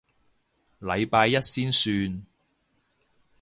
禮拜一先算